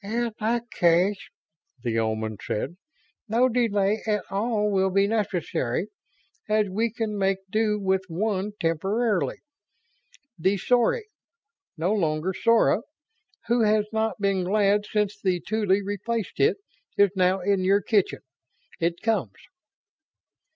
"In that case," the Omans said, "no delay at all will be necessary, as we can make do with one temporarily. The Sory, no longer Sora, who has not been glad since the Tuly replaced it, is now in your kitchen. It comes."